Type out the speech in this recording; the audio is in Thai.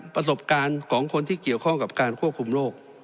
ประสบการณ์ของคนที่เกี่ยวข้องกับการควบคุมโรค